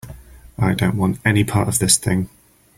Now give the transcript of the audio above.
I don't want any part of this thing.